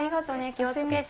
気を付けて。